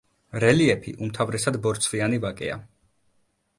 რელიეფი უმთავრესად ბორცვიანი ვაკეა.